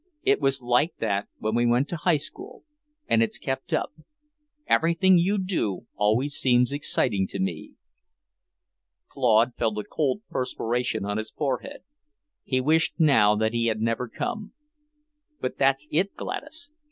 It was like that when we went to High School, and it's kept up. Everything you do always seems exciting to me." Claude felt a cold perspiration on his forehead. He wished now that he had never come. "But that's it, Gladys.